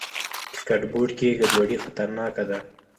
کرکټ بورډ کې ګډوډي خطرناکه ده.